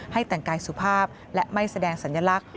แต่งกายสุภาพและไม่แสดงสัญลักษณ